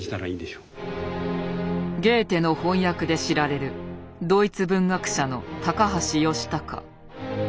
ゲーテの翻訳で知られるドイツ文学者の高橋義孝。